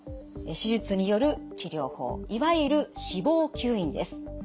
手術による治療法いわゆる脂肪吸引です。